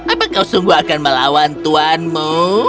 apa kau sungguh akan melawan tuanmu